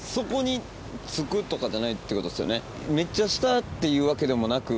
さらにめっちゃ下っていうわけでもなく。